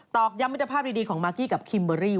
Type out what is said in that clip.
อกย้ำมิตรภาพดีของมากกี้กับคิมเบอร์รี่